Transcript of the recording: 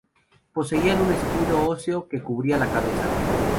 Poseían un escudo óseo que cubría la cabeza.